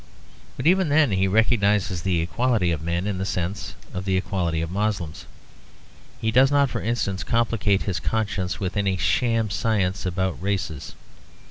But even then he recognises the equality of men in the sense of the equality of Moslems. He does not, for instance, complicate his conscience with any sham science about races.